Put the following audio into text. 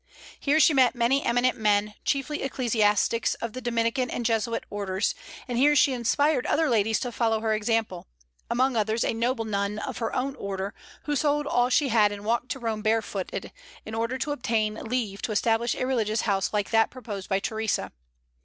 Here she met many eminent men, chiefly ecclesiastics of the Dominican and Jesuit orders; and here she inspired other ladies to follow her example, among others a noble nun of her own order, who sold all she had and walked to Rome barefooted, in order to obtain leave to establish a religious house like that proposed by Theresa.